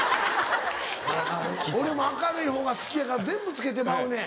分かる俺も明るいほうが好きやから全部つけてまうねん。